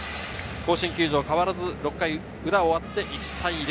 甲子園球場、変わらず６回裏終わって１対０。